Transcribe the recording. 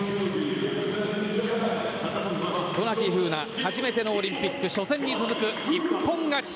渡名喜風南初めてのオリンピック初戦に続く一本勝ち。